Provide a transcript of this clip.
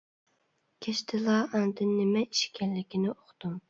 كەچتىلا ئاندىن نېمە ئىش ئىكەنلىكىنى ئۇقتۇم.